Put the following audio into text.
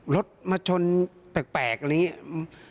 รถมาชนแปลกอะไรอย่างนี้